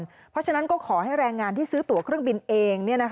เพราะฉะนั้นก็ขอให้แรงงานที่ซื้อตัวเครื่องบินเอง